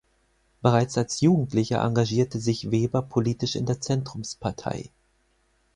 Bereits als Jugendlicher engagierte sich Weber politisch in der Zentrumspartei.